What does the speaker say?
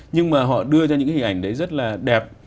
nhưng mà họ đưa ra những hình ảnh đấy rất là đẹp